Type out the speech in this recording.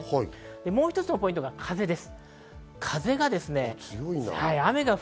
もう一つのポイントが風です。